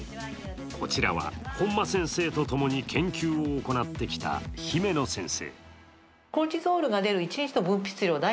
こちらは本間先生とともに研究を行ってきた姫野先生。